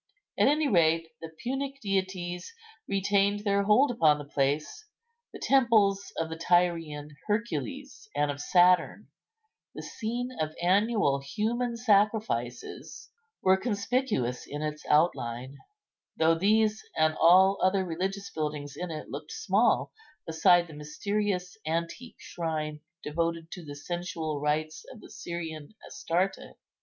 At any rate, the Punic deities retained their hold upon the place; the temples of the Tyrian Hercules and of Saturn, the scene of annual human sacrifices, were conspicuous in its outline, though these and all other religious buildings in it looked small beside the mysterious antique shrine devoted to the sensual rites of the Syrian Astarte.